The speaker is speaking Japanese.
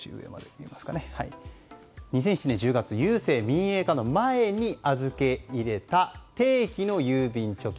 ２００７年１０月郵政民営化のあとに預け入れた定期の郵便貯金